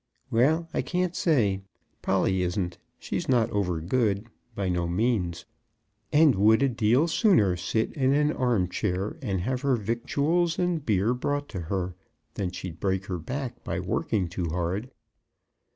"Well; I can't say. Polly isn't. She's not over good, by no means, and would a deal sooner sit in a arm chair and have her victuals and beer brought to her, than she'd break her back by working too hard.